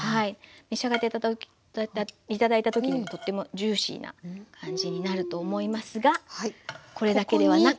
召し上がって頂いた時にとってもジューシーな感じになると思いますがこれだけではなく。